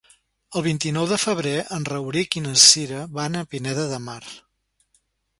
El vint-i-nou de febrer en Rauric i na Cira van a Pineda de Mar.